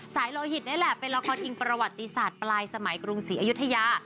โลหิตนี่แหละเป็นละครอิงประวัติศาสตร์ปลายสมัยกรุงศรีอยุธยา